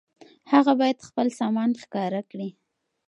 هغه بايد خپل سامان ښکاره کړي.